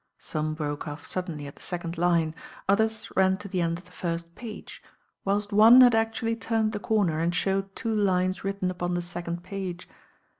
Some broke off suddenly at the second line, others ran to the end of the first page, whilst one had actually turned the comer and showed two lines written upon the second page.